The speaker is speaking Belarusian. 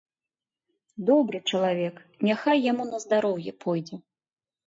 Добры чалавек, няхай яму на здароўе пойдзе.